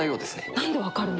なんで分かるの？